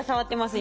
今。